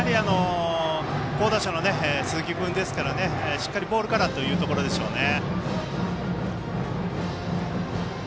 好打者の鈴木君ですからしっかりボールからというところでしょうね。